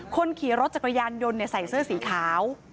คนขี่รถจักรยานยนต์ใส่เสื้อสีขาว